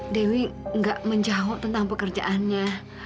dewi gak menjawab tentang pekerjaannya